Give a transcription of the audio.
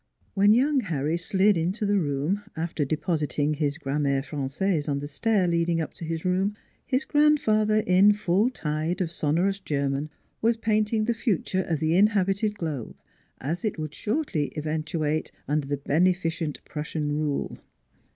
When young Harry slid into the room, after depositing his Grammaire Franqaise on the stair leading up to his room, his grandfather, in full tide of sonorous German, was painting the future of the inhabited globe, as it would shortly eventu ate under the beneficent Prussian rule.